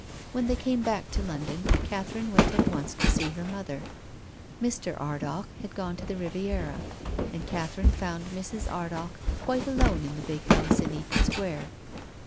When they came back to London, Catherine went at once to see her mother. Mr. Ardagh had gone to the Riviera and Catherine found Mrs. Ardagh quite alone in the big house in Eaton Square.